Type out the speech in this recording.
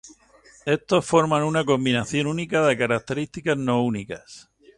Estos forman una combinación única de características no únicas.